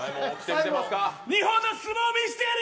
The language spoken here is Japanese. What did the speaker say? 日本の相撲を見せてやる。